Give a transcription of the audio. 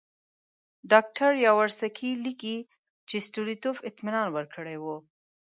ډاکټر یاورسکي لیکي چې ستولیټوف اطمینان ورکړی وو.